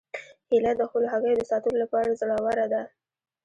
هیلۍ د خپلو هګیو د ساتلو لپاره زړوره ده